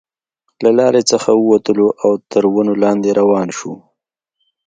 له لارې څخه وو وتلو او تر ونو لاندې روان شوو.